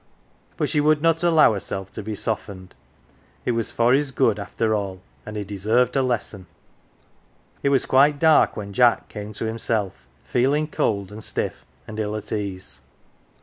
But she would not allow herself to be softened. It was for his good, after all, and he deserved a lesson. It was quite dark when Jack came to himself, feeling cold and stiff and ill at ease.